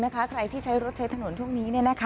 ใครที่ใช้รถใช้ถนนช่วงนี้